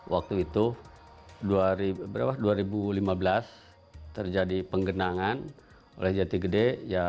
waktu itu dua ribu lima belas terjadi penggenangan oleh jati gede